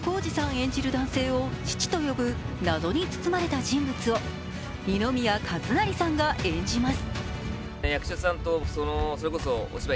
演じる男性を父と呼ぶ謎に包まれた人物を二宮和也さんが演じます。